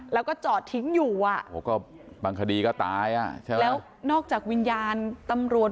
แล้วก็จอดทิ้งอยู่อ่ะบางคดีก็ตายอ่ะใช่ไหมแล้วนอกจากวิญญาณตำรวจ